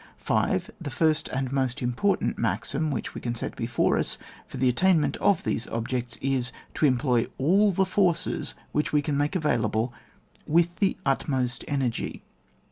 5. The first and most important maxim which we can set before us for the attain ment of these objects, is : to employ all the forces which we can make available with the utmost energy.